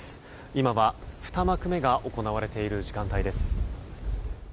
今は２幕目が行われている時間帯です。